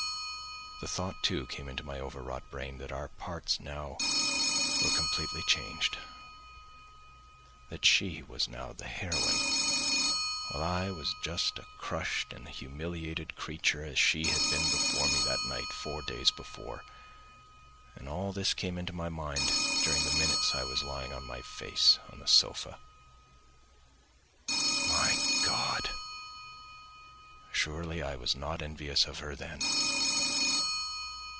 The thought, too, came into my overwrought brain that our parts now were completely changed, that she was now the heroine, while I was just a crushed and humiliated creature as she had been before me that night—four days before.... And all this came into my mind during the minutes I was lying on my face on the sofa. My God! surely I was not envious of her then.